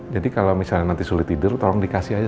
jadi kalau misalnya nanti sulit tidur tolong dikasih aja